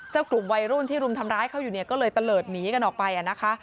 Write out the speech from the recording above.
เจ้ากลุ่มวัยรุ่นที่รุ่นทำร้ายเขาอยู่ก็เลยเตลิดหนีกันออกไปนะคะ